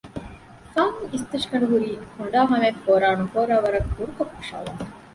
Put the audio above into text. ފަން އިސްތަށިގަނޑު ހުރީ ކޮނޑާ ހަމަޔަށް ފޯރާ ނުފޯރާ ވަރަށް ކުރުކޮށް ކޮށައިލައިފަ